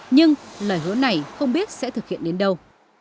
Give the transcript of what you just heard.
nhưng lời hứa này không biết sẽ thực hiện đến đâu